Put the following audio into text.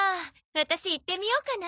ワタシ行ってみようかな。